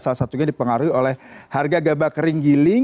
salah satunya dipengaruhi oleh harga gabah kering giling